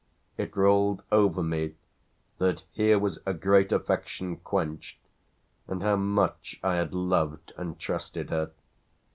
It rolled over me that here was a great affection quenched, and how much I had loved and trusted her.